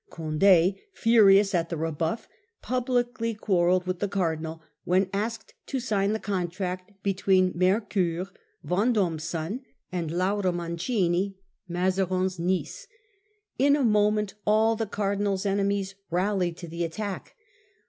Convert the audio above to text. Condd, furious at the rebuff, publicly quarrelled with the Cardinal when asked to sign the contract be tween Mercoeur, Vendome's son, and Laura Mancini, Mazarin's niece. In a moment all the Cardinal's enemies rallied to the attack.